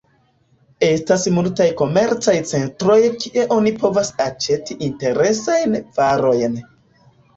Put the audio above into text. Estas multaj komercaj centroj kie oni povas aĉeti interesajn varojn.